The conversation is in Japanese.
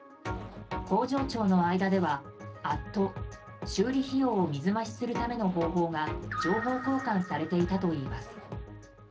工場長の間ではアット、修理費用を水増しするための方法が情報交換されていたといいます。